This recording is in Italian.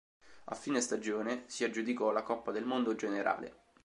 A fine stagione si aggiudicò la Coppa del Mondo generale.